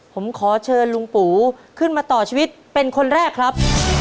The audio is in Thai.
ผมขอเชิญลุงปูขึ้นมาต่อชีวิตเป็นคนแรกครับ